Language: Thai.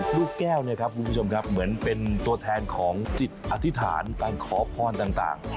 ลูกแก้วเนี่ยครับคุณผู้ชมครับเหมือนเป็นตัวแทนของจิตอธิษฐานการขอพรต่าง